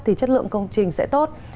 thì chất lượng công trình sẽ tốt